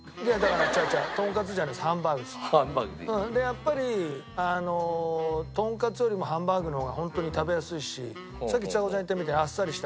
やっぱりとんかつよりもハンバーグの方がホントに食べやすいしさっきちさ子ちゃん言ったみたいにあっさりした。